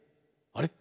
あれ？